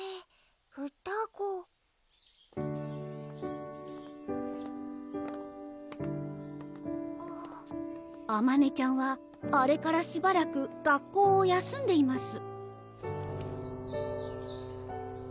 双子あまねちゃんはあれからしばらく学校を休んでいます